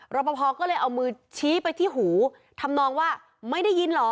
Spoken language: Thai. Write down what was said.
รอปภก็เลยเอามือชี้ไปที่หูทำนองว่าไม่ได้ยินเหรอ